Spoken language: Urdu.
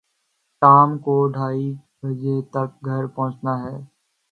ٹام کو ڈھائی بجے تک گھر پہنچنا ہے۔